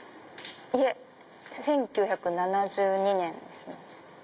いえ１９７２年ですね。